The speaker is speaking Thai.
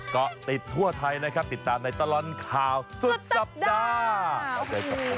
ก็ติดทั่วไทยนะครับติดตามในตลอดข่าวสุดสัปดาห์